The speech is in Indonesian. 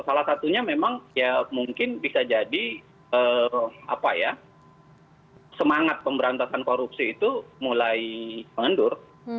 salah satunya memang ya mungkin bisa jadi semangat pemberantasan korupsi itu mulai mengendur